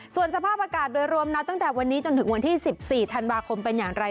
ส่วนสภาพอากาศโดยรวมนะตั้งแต่วันนี้จนถึงวันที่๑๔ธันวาคมเป็นอย่างไร